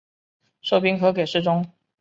授兵科给事中。